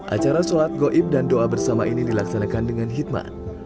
acara sholat goib dan doa bersama ini dilaksanakan dengan hikmat